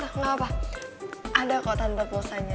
gak apa apa ada kok tante pulsanya